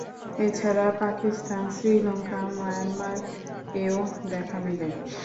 এছাড়া পাকিস্তান, শ্রীলঙ্কা, মায়ানমার এও দেখা মেলে।